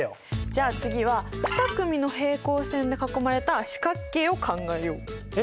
じゃあ次は２組の平行線で囲まれた四角形を考えよう。え？